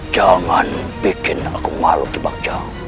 jangan bikin aku malu di bagja